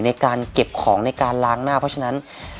ในการเก็บของในการล้างหน้าเพราะฉะนั้น